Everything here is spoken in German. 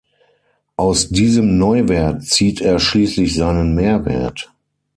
Aus diesem Neuwert zieht er schließlich seinen Mehrwert.